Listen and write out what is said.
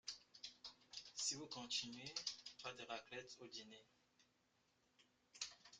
Si vous continuez, pas de raclette au dîner.